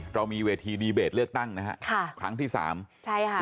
เรามีเวทีดีเบตเลือกตั้งนะฮะค่ะครั้งที่สามใช่ค่ะ